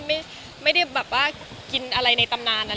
มันไม่ได้ภารกิจอะไรในตำนานมากมาย